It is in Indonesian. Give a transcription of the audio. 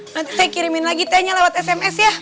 nanti saya kirimin lagi tehnya lewat sms ya